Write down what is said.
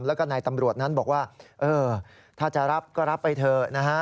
แล้วก็นายตำรวจนั้นบอกว่าเออถ้าจะรับก็รับไปเถอะนะฮะ